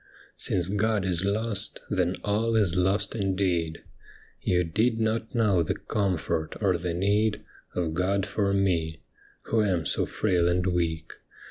' Since God is lost, then all is lost indeed. You did not know the comfort or the need Of God for me, who am so frail and weak.